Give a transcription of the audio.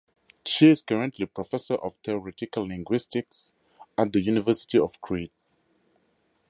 She is currently Professor of Theoretical Linguistics at the University of Crete.